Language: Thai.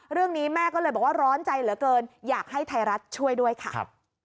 แม่ก็เลยบอกว่าร้อนใจเหลือเกินอยากให้ไทยรัฐช่วยด้วยค่ะ